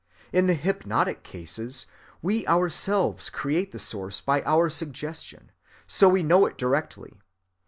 In the hypnotic cases, we ourselves create the source by our suggestion, so we know it directly.